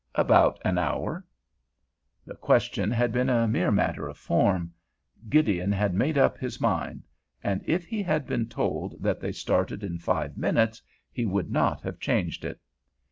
"About an hour." The question had been a mere matter of form. Gideon had made up his mind, and if he had been told that they started in five minutes he would not have changed it.